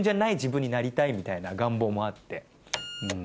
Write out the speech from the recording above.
みたいな願望もあって。